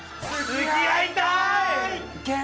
付き合いたい！